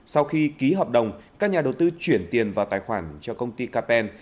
sau khi ký hợp đồng các nhà đầu tư chuyển tiền vào tài khoản cho công ty capel